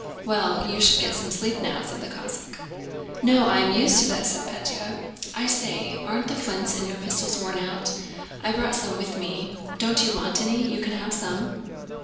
"Well, you should get some sleep now," said the Cossack. "No, I am used to this," said Pétya. "I say, aren't the flints in your pistols worn out? I brought some with me. Don't you want any? You can have some."